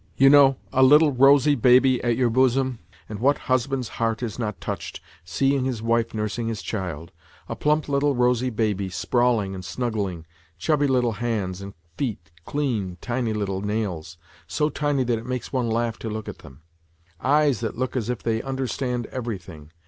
You know a little rosy baby boy at your bosom, and what husband's heart is not touched, seeing his wife nursing his child ! A plump little rosy baby, sprawling and snuggling, chubby little hands and feet, clean tiny little nails, so tiny that it makes one laugh to look at them ; eyes that look as if they understand everything.